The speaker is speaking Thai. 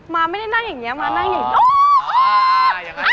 มาไม่ได้นั่งอย่างนี้มานั่งอย่างนี้